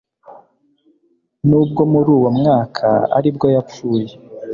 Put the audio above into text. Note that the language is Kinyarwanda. Nubwo muruwo mwaka ari bwo yapfuye